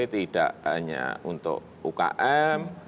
tidak hanya untuk ukm